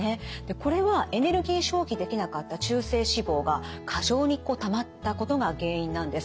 これはエネルギー消費できなかった中性脂肪が過剰にたまったことが原因なんです。